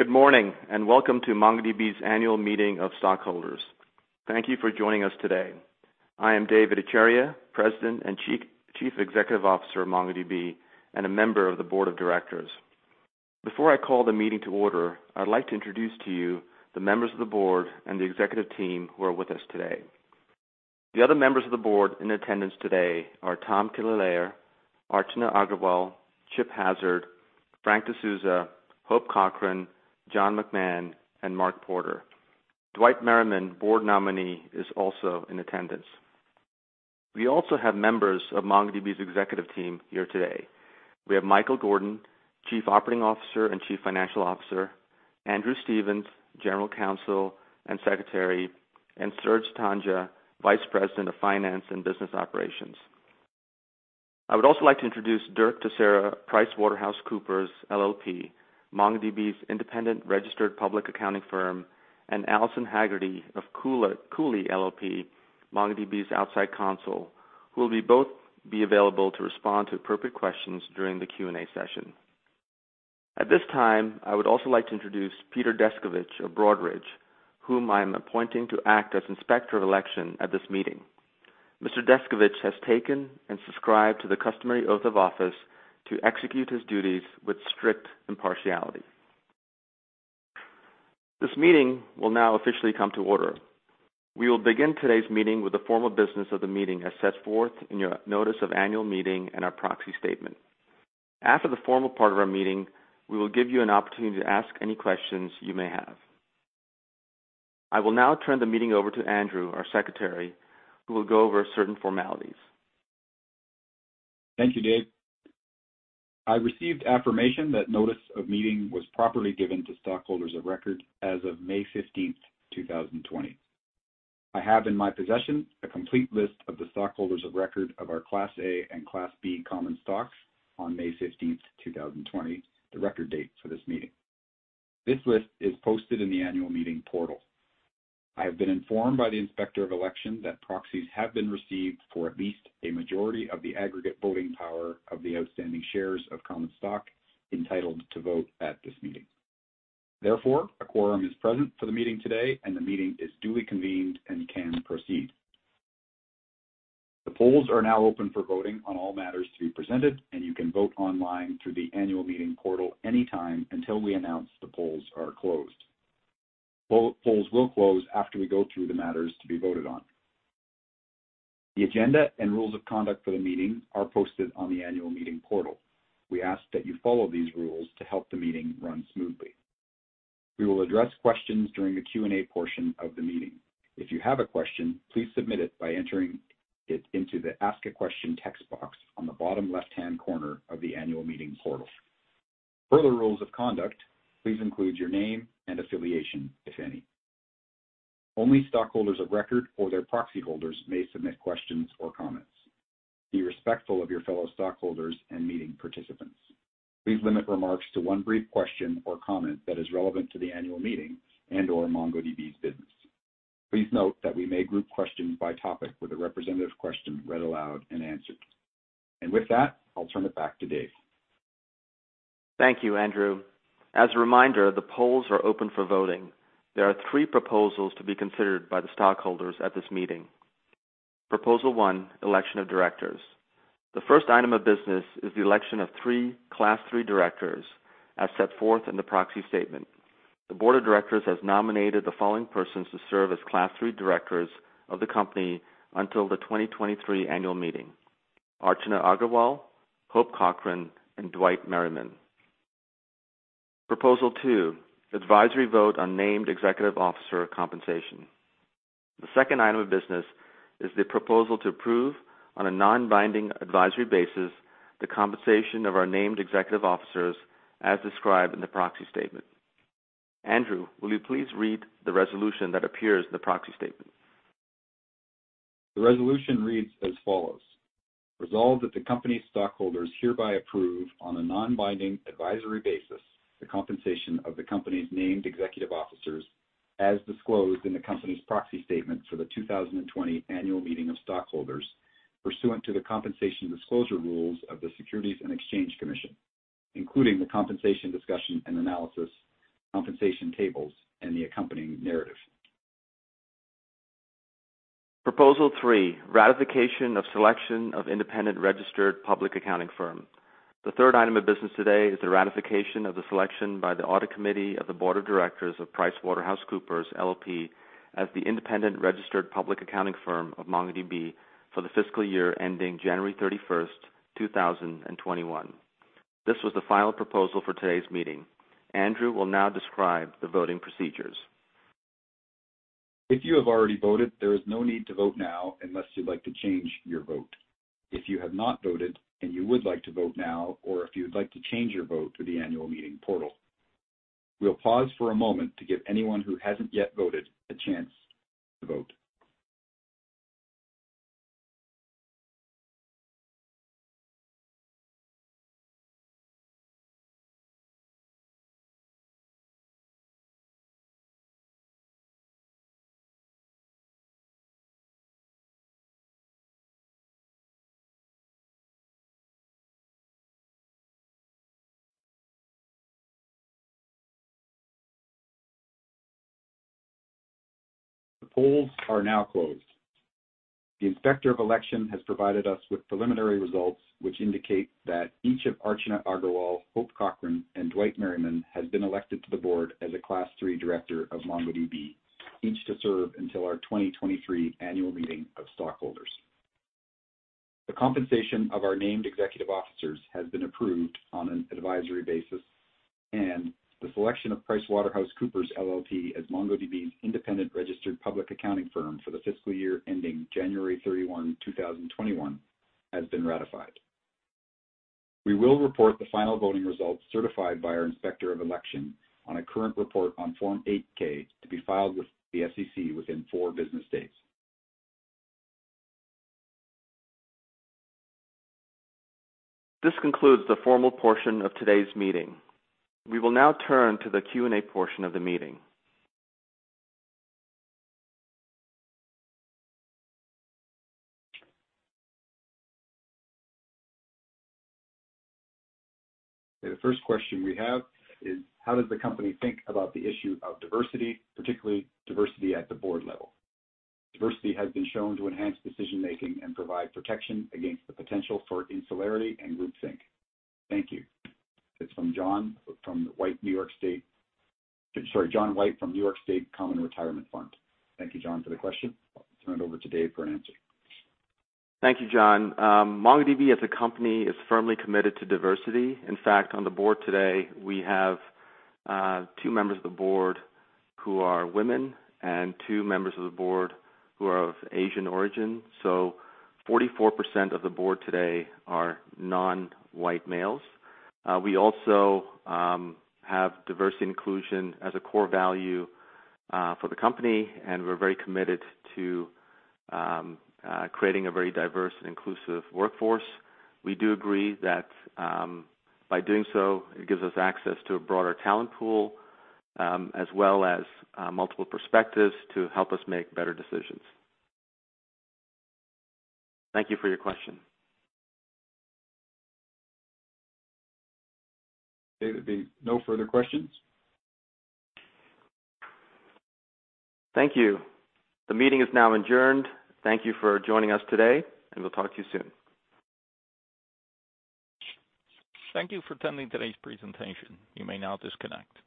Good morning, welcome to MongoDB's Annual Meeting of Stockholders. Thank you for joining us today. I am Dev Ittycheria, President and Chief Executive Officer of MongoDB and a member of the Board of Directors. Before I call the meeting to order, I'd like to introduce to you the members of the Board and the Executive Team who are with us today. The other members of the Board in attendance today are Tom Killalea, Archana Agrarwal, Chip Hazard, Francisco D'Souza, Hope Cochran, John McMahon, and Mark Porter. Dwight Merriman, Board nominee, is also in attendance. We also have members of MongoDB's Executive Team here today. We have Michael Gordon, Chief Operating Officer and Chief Financial Officer, Andrew Stephens, General Counsel and Secretary, and Serge Tanjga, Vice President of Finance and Business Operations. I would also like to introduce Dirk Tissera, PricewaterhouseCoopers LLP, MongoDB's independent registered public accounting firm, and Alison Haggerty of Cooley LLP, MongoDB's outside counsel, who will both be available to respond to appropriate questions during the Q&A session. At this time, I would also like to introduce Peter Descovich of Broadridge, whom I am appointing to act as Inspector of Election at this meeting. Mr. Deskovich has taken and subscribed to the customary oath of office to execute his duties with strict impartiality. This meeting will now officially come to order. We will begin today's meeting with the formal business of the meeting as set forth in your notice of annual meeting and our proxy statement. After the formal part of our meeting, we will give you an opportunity to ask any questions you may have. I will now turn the meeting over to Andrew, our Secretary, who will go over certain formalities. Thank you, Dev. I received affirmation that notice of meeting was properly given to stockholders of record as of May 15th, 2020. I have in my possession a complete list of the stockholders of record of our Class A and Class B common stocks on May 15th, 2020, the record date for this meeting. This list is posted in the annual meeting portal. I have been informed by the Inspector of Election that proxies have been received for at least a majority of the aggregate voting power of the outstanding shares of common stock entitled to vote at this meeting. Therefore, a quorum is present for the meeting today, and the meeting is duly convened and can proceed. The polls are now open for voting on all matters to be presented, and you can vote online through the annual meeting portal anytime until we announce the polls are closed. Polls will close after we go through the matters to be voted on. The agenda and rules of conduct for the meeting are posted on the annual meeting portal. We ask that you follow these rules to help the meeting run smoothly. We will address questions during the Q&A portion of the meeting. If you have a question, please submit it by entering it into the Ask a Question text box on the bottom left-hand corner of the annual meeting portal. Per the rules of conduct, please include your name and affiliation, if any. Only stockholders of record or their proxy holders may submit questions or comments. Be respectful of your fellow stockholders and meeting participants. Please limit remarks to one brief question or comment that is relevant to the annual meeting and/or MongoDB's business. Please note that we may group questions by topic with a representative question read aloud and answered. With that, I'll turn it back to Dev. Thank you, Andrew. As a reminder, the polls are open for voting. There are three proposals to be considered by the stockholders at this meeting. Proposal 1, election of directors. The first item of business is the election of three Class III directors as set forth in the proxy statement. The Board of Directors has nominated the following persons to serve as Class III directors of the company until the 2023 annual meeting: Archana Agarwal, Hope Cochran, and Dwight Merriman. Proposal 2, advisory vote on named executive officer compensation. The second item of business is the proposal to approve on a non-binding advisory basis the compensation of our named executive officers as described in the proxy statement. Andrew, will you please read the resolution that appears in the proxy statement? The resolution reads as follows. Resolved that the company's stockholders hereby approve, on a non-binding advisory basis, the compensation of the company's named executive officers as disclosed in the company's proxy statement for the 2020 annual meeting of stockholders pursuant to the compensation disclosure rules of the Securities and Exchange Commission, including the compensation discussion and analysis, compensation tables, and the accompanying narrative. Proposal 3, ratification of selection of independent registered public accounting firm. The third item of business today is the ratification of the selection by the audit committee of the board of directors of PricewaterhouseCoopers LLP as the independent registered public accounting firm of MongoDB for the fiscal year ending January 31st, 2021. This was the final proposal for today's meeting. Andrew will now describe the voting procedures. If you have already voted, there is no need to vote now unless you'd like to change your vote. If you have not voted and you would like to vote now or if you would like to change your vote through the annual meeting portal. We'll pause for a moment to give anyone who hasn't yet voted a chance to vote. The polls are now closed. The Inspector of Election has provided us with preliminary results which indicate that each of Archana Agarwal, Hope Cochran, and Dwight Merriman has been elected to the board as a class 3 director of MongoDB, each to serve until our 2023 annual meeting of stockholders. The compensation of our named executive officers has been approved on an advisory basis, and the selection of PricewaterhouseCoopers LLP as MongoDB's independent registered public accounting firm for the fiscal year ending January 31, 2021, has been ratified. We will report the final voting results certified by our Inspector of Election on a current report on Form 8-K to be filed with the SEC within four business days. This concludes the formal portion of today's meeting. We will now turn to the Q&A portion of the meeting. Okay. The first question we have is: How does the company think about the issue of diversity, particularly diversity at the board level? Diversity has been shown to enhance decision-making and provide protection against the potential for insularity and groupthink. Thank you. That's from John White from New York State Common Retirement Fund. Thank you, John, for the question. I'll turn it over to Dev for an answer. Thank you, John. MongoDB, as a company, is firmly committed to diversity. On the board today, we have two members of the board who are women and two members of the board who are of Asian origin. 44% of the board today are non-white males. We also have diversity inclusion as a core value for the company, and we're very committed to creating a very diverse and inclusive workforce. We do agree that by doing so, it gives us access to a broader talent pool, as well as multiple perspectives to help us make better decisions. Thank you for your question. Dev, there'd be no further questions. Thank you. The meeting is now adjourned. Thank you for joining us today, and we'll talk to you soon. Thank you for attending today's presentation. You may now disconnect.